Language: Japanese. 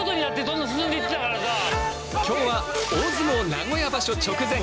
今日は大相撲名古屋場所直前！